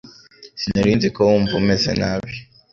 Sinari nzi ko wumva umeze nabi.